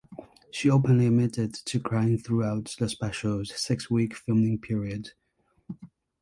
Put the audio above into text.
She openly admitted to crying throughout the special's six-week filming period.